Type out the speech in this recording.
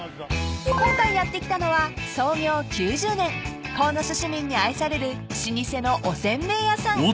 ［今回やって来たのは創業９０年鴻巣市民に愛される老舗のお煎餅屋さん］